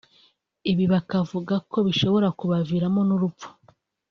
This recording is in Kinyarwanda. ibi bakavuga ko bishobora kubaviramo n’urupfu